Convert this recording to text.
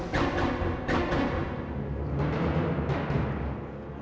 kayaknya dia udah pules banget